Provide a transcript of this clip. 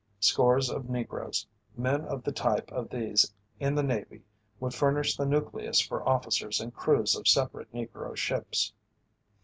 Scores of Negroes; men of the type of these in the Navy, would furnish the nucleus for officers and crews of separate Negro ships.